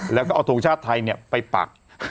แล้วก็เอาทุกชาติไทยเนี่ยไปปัก